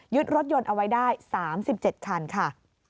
รถยนต์เอาไว้ได้๓๗คันค่ะ